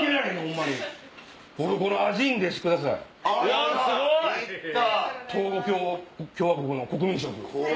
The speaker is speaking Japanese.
トーゴ共和国の国民食。